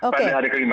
pada hari kelima